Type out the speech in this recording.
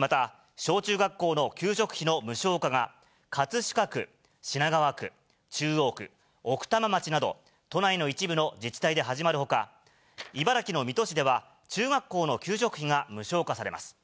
また、小中学校の給食費の無償化が、葛飾区、品川区、中央区、奥多摩町など、都内の一部の自治体で始まるほか、茨城の水戸市では、中学校の給食費が無償化されます。